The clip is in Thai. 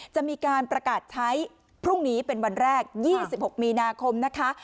จะมีการประกาศใช้พรุ่งนี้เป็นวันแรก๒๖มีนาคมนะคะ